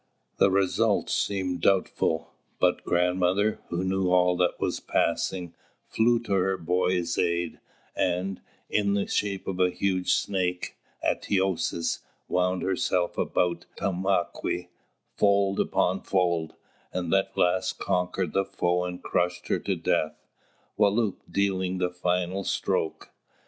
The result seemed doubtful; but grandmother, who knew all that was passing, flew to her boy's aid and, in the shape of a huge snake, Atōsis, wound herself about Tomāquè, fold upon fold, and at last conquered the foe and crushed her to death, Wālūt dealing the final stroke.